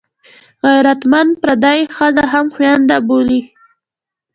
غیرتمند پردۍ ښځه هم خوینده بولي